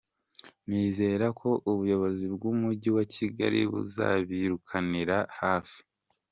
Nizere ko ubuyobozi bw’Umujyi wa Kigali buzabikurikiranira hafi.